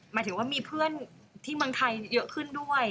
หมายถึงว่ามีเพื่อนที่เมืองไทยเยอะขึ้นด้วย